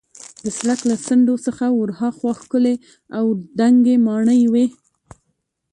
د سړک له څنډو څخه ورهاخوا ښکلې او دنګې ماڼۍ وې.